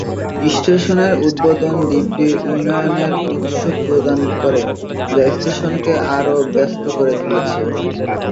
স্টেশনের উদ্বোধন দ্বীপটির উন্নয়নে উৎসাহ প্রদান করে, যা স্টেশনকে আরও ব্যস্ত করে তুলেছে।